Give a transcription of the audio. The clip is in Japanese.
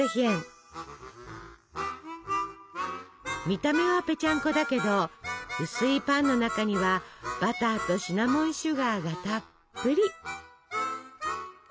見た目はぺちゃんこだけど薄いパンの中にはバターとシナモンシュガーがたっぷり。